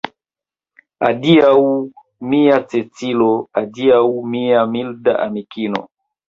Adiaŭ, mia Cecilo, adiaŭ mia milda amikino.